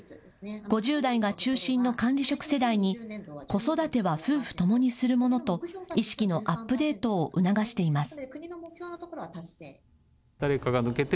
５０代が中心の管理職世代に子育ては夫婦ともにするものと意識のアップデートを促しています。